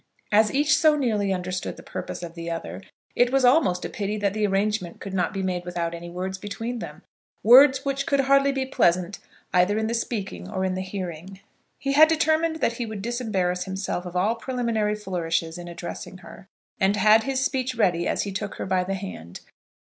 As each so nearly understood the purpose of the other it was almost a pity that the arrangement could not be made without any words between them, words which could hardly be pleasant either in the speaking or in the hearing. He had determined that he would disembarrass himself of all preliminary flourishes in addressing her, and had his speech ready as he took her by the hand.